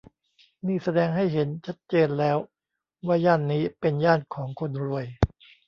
นี่แสดงให้เห็นชัดเจนแล้วว่าย่านนี้เป็นย่านของคนรวย